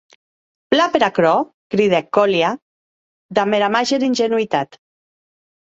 Plan per aquerò, cridèc Kolia damb era màger ingenuitat.